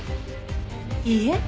いいえ。